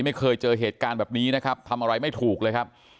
ไม่เคยเจอเหตุการณ์แบบนี้นะครับทำอะไรไม่ถูกเลยครับ